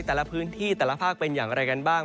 แต่ละพื้นที่แต่ละภาคเป็นอย่างไรกันบ้าง